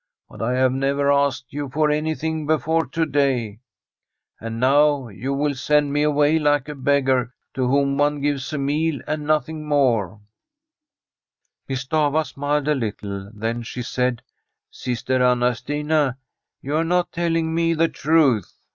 But I have never asked you for anything before to day. And now The STORY of a COUNTRY HOUSE you will send me away like a beggar, to whom one gives a meal and nothing more/ Miss Stafva smiled a little ; then she said :' Sister Anna Stina, you are not telling me the truth.